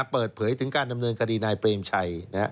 เปิดเผยถึงการดำเนินคดีนายเปรมชัย